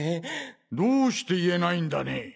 どうして言えないんだね！